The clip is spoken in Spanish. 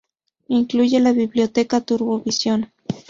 Incluye la Biblioteca Turbo Vision.